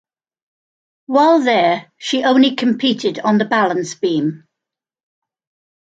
While there she only competed on the balance beam.